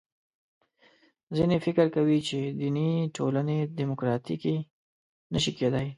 ځینې فکر کوي چې دیني ټولنې دیموکراتیکې نه شي کېدای.